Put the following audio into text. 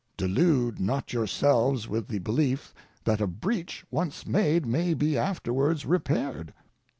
Delude not yourselves with the belief that a breach once made may be afterwards repaired.